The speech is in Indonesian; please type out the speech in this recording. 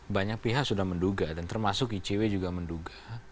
banyak pihak sudah menduga dan termasuk icw juga menduga